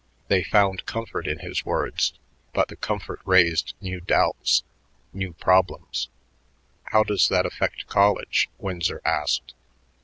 They found comfort in his words, but the comfort raised new doubts, new problems. "How does that affect college?" Winsor asked.